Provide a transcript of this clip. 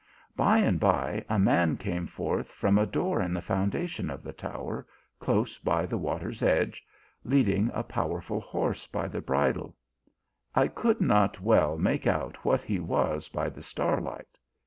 By and by a man came forth from a door in the founda tion of the tower, close by the water s edge, leading a powerful horse by the bridle. I could not well make out what he was by the starlight.